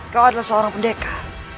kau adalah seorang pendeka